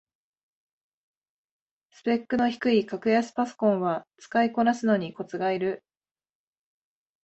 スペックの低い格安パソコンは使いこなすのにコツがいる